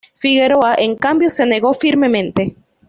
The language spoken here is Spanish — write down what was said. Figueroa, en cambio, se negó firmemente.